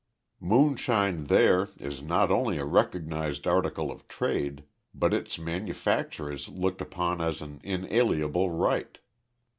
Moonshine there is not only a recognized article of trade, but its manufacture is looked upon as an inalienable right.